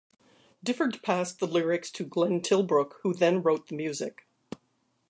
Difford passed the lyrics to Glenn Tilbrook who then wrote the music.